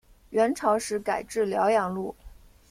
元朝时改置辽阳路。